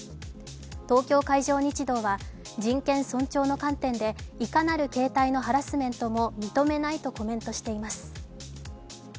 東京海上日動は、人権尊重の観点でいかなる形態のハラスメントも認めないとコメントしています。